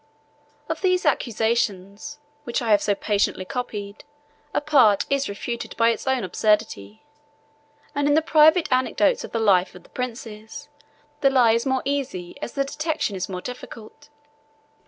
Of these accusations, which I have so patiently copied, a part is refuted by its own absurdity; and in the private anecdotes of the life of the princes, the lie is more easy as the detection is more difficult.